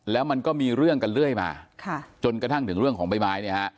แล้วมันก็มีเรื่องกันเรื่อยมาจนกระทั่งถึงเรื่องของใบไม้เนี่ยฮะ